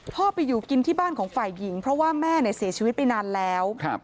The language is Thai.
พ่อไปอยู่กินที่บ้านของฝ่ายหญิงเพราะว่าแม่เนี่ยเสียชีวิตไปนานแล้ว